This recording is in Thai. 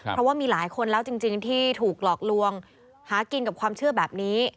เพราะว่ามีหลายคนแล้วจริงที่ถูกหลอกลวงหากินกับความเชื่อแบบนี้